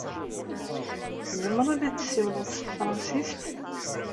Tzemreḍ ad tessiwleḍ s tefṛensist?